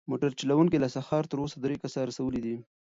موټر چلونکی له سهاره تر اوسه درې کسه رسولي دي.